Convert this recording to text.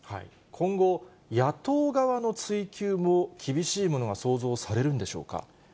今後、野党側の追及も厳しいものが想像されるんでしょうか。